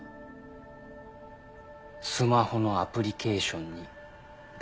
「スマホのアプリケーションに」だ。